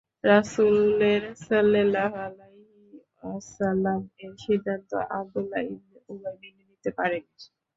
রাসূলের সাল্লাল্লাহু আলাইহি ওয়াসাল্লাম-এর সিদ্ধান্ত আব্দুল্লাহ ইবনে উবাই-মেনে নিতে পারেনি।